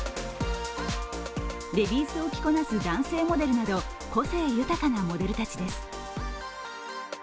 レディースを着こなす男性モデルなど個性豊かなモデルたちです。